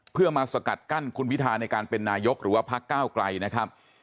เพื่อมาสกัดกั้นคุณพิทาในการเป็นนายกหรือว่าพักก้าวไกลนะครับ